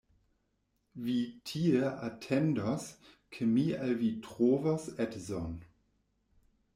Vi tie atendos, ke mi al vi trovos edzon.